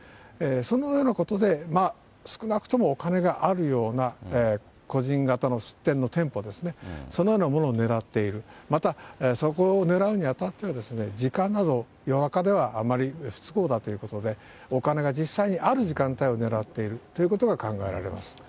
そのようなことで、少なくともお金があるような個人型の出店の店舗ですね、そのようなものを狙っている、また、そこを狙うにあたっては、時間など、夜中ではあんまり不都合だということで、お金が実際にある時間帯を狙っているということが考えられます。